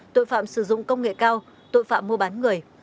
tội phạm sử dụng công nghệ cao tội phạm mua bán người